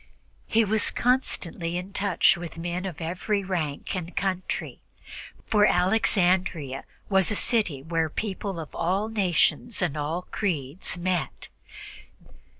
He was constantly in touch with men of every rank and country, for Alexandria was a city where people of all nations and of all creeds met.